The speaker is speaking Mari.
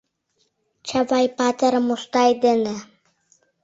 Чавай-патыр Мустай дене